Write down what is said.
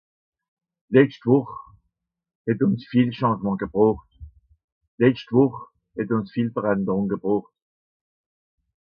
D’letschte Wùche hàn ùns viel Changement gebroocht.